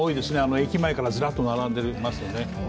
駅前からずらっと並んでいますよね。